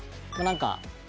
何か。